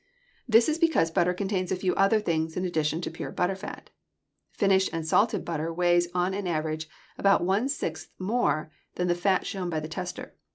This is because butter contains a few other things in addition to pure butter fat. Finished and salted butter weighs on an average about one sixth more than the fat shown by the tester.